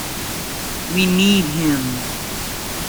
We need him.